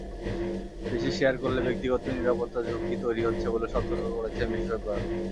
বেশি শেয়ার করলে ব্যক্তিগত নিরাপত্তা ঝুঁকি তৈরি হচ্ছে বলে সতর্ক করেছেন বিশেষজ্ঞরা।